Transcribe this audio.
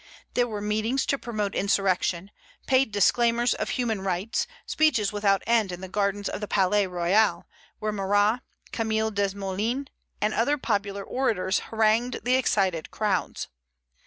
There were meetings to promote insurrection, paid declaimers of human rights, speeches without end in the gardens of the Palais Royal, where Marat, Camille Desmoulins, and other popular orators harangued the excited crowds.